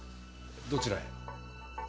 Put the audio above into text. どちらへ？